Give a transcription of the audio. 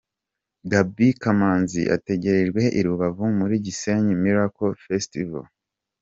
Gaby Kamanzi ategerejwe i Rubavu muri Gisenyi Miracle Festival.